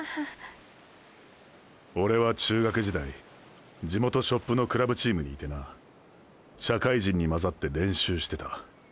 オレは中学時代地元ショップのクラブチームにいてな社会人に交ざって練習してた。